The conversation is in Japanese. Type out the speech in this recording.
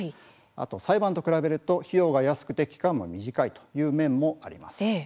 裁判と比べると費用が安くて期間も短いという面もあります。